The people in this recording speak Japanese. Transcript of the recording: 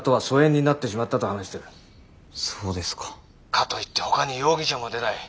かといってほかに容疑者も出ない。